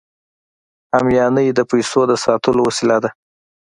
همیانۍ د پیسو د ساتلو وسیله ده